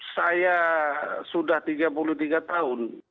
saya sudah tiga puluh tiga tahun